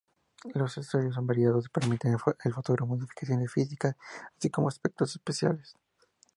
Los accesorios son variados y permiten al fotógrafo modificaciones físicas, así como efectos especiales.